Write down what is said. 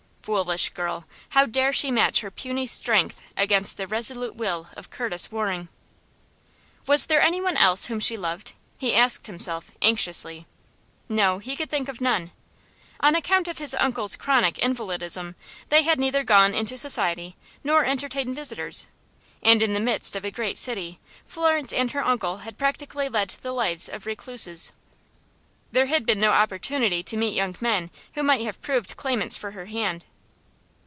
Foolish girl, how dare she match her puny strength against the resolute will of Curtis Waring?" "Was there any one else whom she loved?" he asked himself, anxiously. No, he could think of none. On account of his uncle's chronic invalidism, they had neither gone into society, nor entertained visitors, and in the midst of a great city Florence and her uncle had practically led the lives of recluses. There had been no opportunity to meet young men who might have proved claimants for her hand.